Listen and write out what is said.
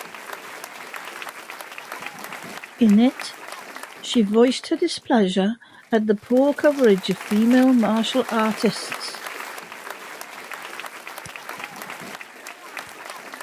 In it she voiced her displeasure at the poor coverage of female martial artists.